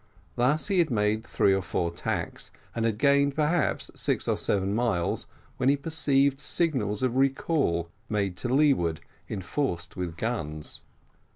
Thus had he made three or four tacks, and had gained, perhaps, six or seven miles, when he perceived signals of recall made to leeward, enforced with guns.